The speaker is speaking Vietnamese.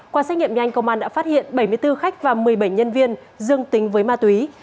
qua xét nghiệm nhanh công an đã phát hiện bảy mươi bốn khách và một mươi bảy nhân viên dương tính với ma túy